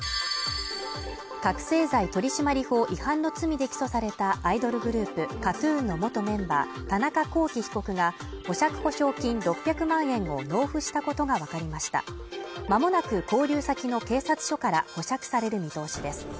覚醒剤取締法違反の罪で起訴されたアイドルグループＫＡＴ−ＴＵＮの元メンバー田中聖被告が保釈保証金６００万円を納付したことが分かりましたまもなく勾留先の警察署から保釈される見通しです